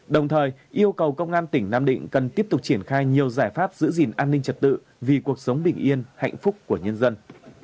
đồng thời yêu cầu công an tỉnh nam định cần tiếp tục triển khai nhiều giải pháp giữ gìn an ninh trật tự vì cuộc sống bình yên hạnh phúc của nhân dân